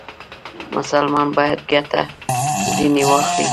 مسلمان باید ګټه ځنې واخلي.